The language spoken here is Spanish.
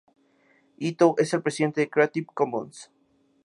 Ito es el presidente de Creative Commons.